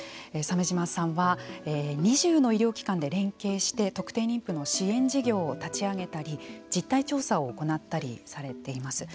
鮫島さんは２０の医療機関で連携して特定妊婦の支援事業を立ち上げたり実態調査を行ったりされています。